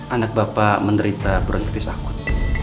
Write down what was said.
anak bapak menderita berhenti sakit